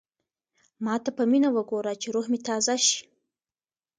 ما ته په مینه وګوره چې روح مې تازه شي.